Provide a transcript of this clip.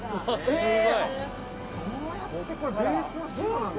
そうやってこれベースは白なんですね。